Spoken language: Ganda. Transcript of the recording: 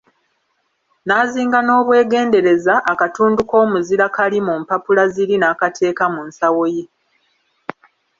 N'azinga n'obwegendereza akatundu k'omuzira kali mu mpapula ziri n'akateeka mu nsawo ye.